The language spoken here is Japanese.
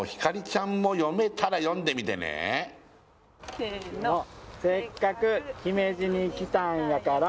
最後にせの「せっかく姫路に来たんやから」